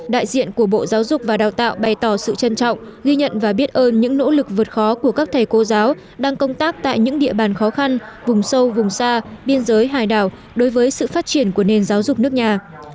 đại diện của bộ giáo dục và đào tạo bày tỏ sự trân trọng ghi nhận và biết ơn những nỗ lực vượt khó của các thầy cô giáo đang công tác tại những địa bàn khó khăn vùng sâu vùng xa biên giới hải đảo đối với sự phát triển của nền giáo dục nước nhà